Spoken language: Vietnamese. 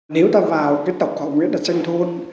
nếu ta vào tộc họ nguyễn đặt tranh thôn